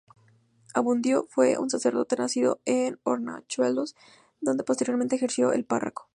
Abundio fue un sacerdote nacido en Hornachuelos, donde posteriormente ejerció de párroco.